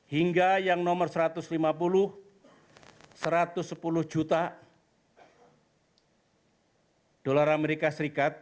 hingga yang nomor satu ratus lima puluh satu ratus sepuluh juta dolar amerika serikat